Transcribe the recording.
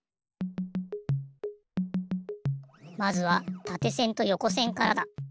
まずはたてせんとよこせんからだ。